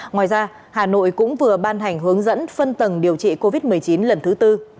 ngoài ra hà nội cũng vừa ban hành hướng dẫn phân tầng điều trị covid một mươi chín lần thứ tư